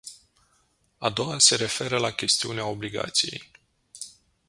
A doua se referă la chestiunea obligației.